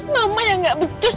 mama yang gak betul